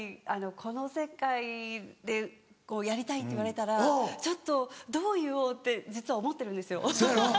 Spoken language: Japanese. この世界でやりたいって言われたらちょっとどう言おう？って実は思ってるんですよ。